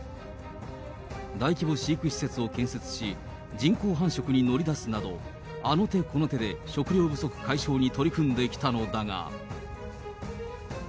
大規模飼育施設を建設し、人工繁殖に乗り出すなど、あの手この手で食糧不足解消に取り組んできたのだが。